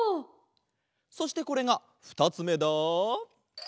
そしてこれがふたつめだ。